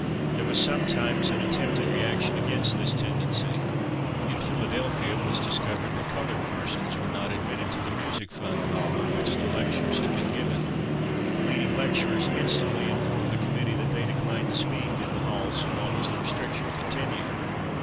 There was sometimes an attempted reaction against this tendency. In Philadelphia it was discovered that colored persons were not admitted to the Musical Fund Hall, in which the lectures had been given. The leading lecturers instantly informed the committee that they declined to speak in the hall so long as the restriction continued.